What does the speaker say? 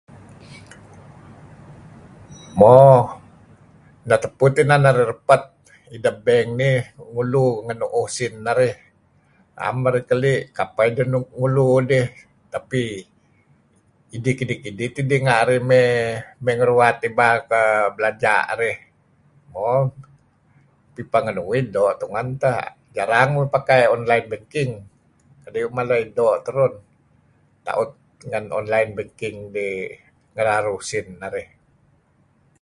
Mo, neh tupu teh inan narih repet ideh bank nih ngulu ngenu'uh usin narih am narih keli' kapeh ideh nuk ngulu dih tapi idih kidih-kidih tidih renga' arih mey ngeruwat ibal kuh belanja narih. Mo, Pipa ngan uih doo' tungen teh. Jarang uih pakai online banking kadi' uih mala dih doo' terun ta'ut ngan online banking ngeraruh usin narih.